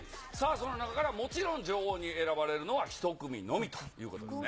その中からもちろん女王に選ばれるのは１組のみということですね。